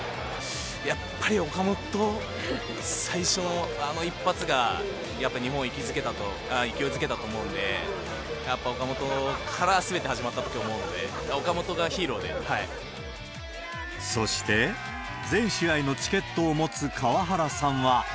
やっぱり岡本、最初のあの１発が、やっぱ日本を勢いづけたと思うんで、やっぱ岡本からすべて始まったときょうは思うので、岡本がヒーロそして、全試合のチケットを持つ河原さんは。